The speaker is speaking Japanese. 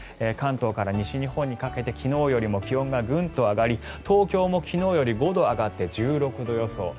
関東から西日本にかけて昨日よりも気温がグンと上がり東京も昨日より５度上がって１６度予想。